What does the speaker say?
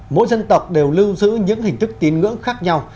mỗi dân tộc đều lưu giữ những hình thức tín ngưỡng khác nhau